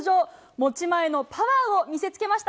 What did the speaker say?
持ち前のパワーを見せつけました。